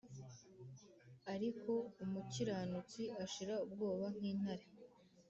ariko umukiranutsi ashira ubwoba nk’intare